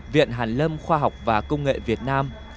viện hàn lâm khoa học và công nghệ việt nam